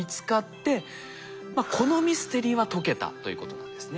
このミステリーは解けたということなんですね。